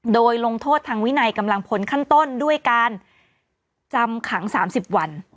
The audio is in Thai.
โดยลงโทษทางวินัยกำลังผลขั้นต้นด้วยการจำขัง๓๐วัน